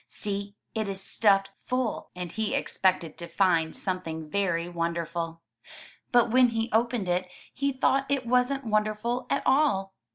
See, it is stuffed full!*' And he expected to find something very wonderful. But when he opened it, he thought it wasn't wonderful at all.